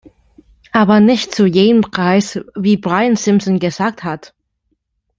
Aber nicht zu jedem Preis, wie Brian Simpson gesagt hat!